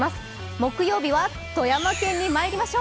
木曜日は富山県にまいりましょう。